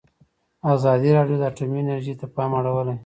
ازادي راډیو د اټومي انرژي ته پام اړولی.